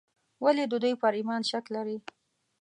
ولې د دوی پر ایمان شک لري.